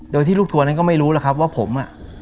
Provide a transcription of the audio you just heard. โดยที่ลูกทัวร์นั้นก็ไม่รู้แล้วครับว่าผมอ่ะ